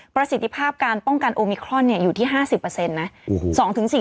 ประสิทธิภาพการป้องกันโอมิครอนอยู่ที่๕๐นะ